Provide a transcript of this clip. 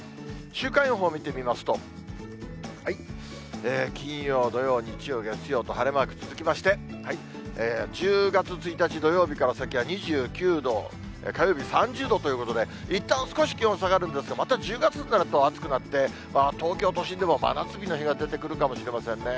週間予報見てみますと、金曜、土曜、日曜、月曜と晴れマーク続きまして、１０月１日土曜日から先は２９度、火曜日３０度ということで、いったん少し気温下がるんですが、また１０月になると暑くなって、東京都心でも真夏日の日が出てくるかもしれませんね。